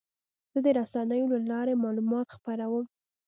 زه د رسنیو له لارې معلومات خپروم.